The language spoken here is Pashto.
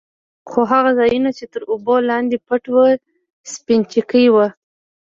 خو هغه ځايونه يې چې تر اوبو لاندې پټ وو سپينچکي وو.